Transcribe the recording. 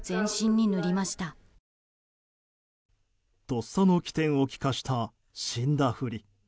とっさの機転を利かした死んだふり。